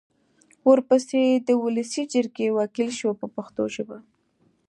ورپسې د ولسي جرګې وکیل شو په پښتو ژبه.